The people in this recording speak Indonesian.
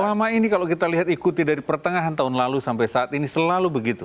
selama ini kalau kita lihat ikuti dari pertengahan tahun lalu sampai saat ini selalu begitu